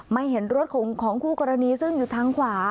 ไม่เห็นรถของคู่กรณีซึ่งอยู่ทางขวา